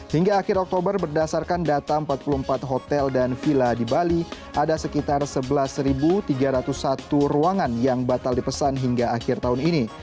hingga akhir oktober berdasarkan data empat puluh empat hotel dan villa di bali ada sekitar sebelas tiga ratus satu ruangan yang batal dipesan hingga akhir tahun ini